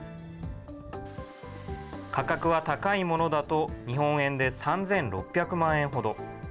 価格は高いものだと日本円で３６００万円ほど。